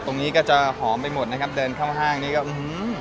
ตรงนี้ก็จะหอมไปหมดนะครับเดินเข้าห้างนี้ก็อื้อหือ